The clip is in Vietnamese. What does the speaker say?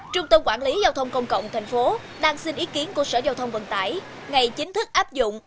trung tâm quản lý giao thông công cộng tp hcm đang xin ý kiến của sở giao thông vận tải ngày chính thức áp dụng